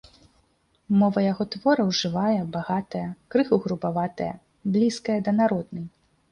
Мова яго твораў жывая, багатая, крыху грубаватая, блізкая да народнай.